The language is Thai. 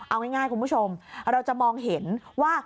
เอาง่ายคุณผู้ชมเราจะมองเห็นว่า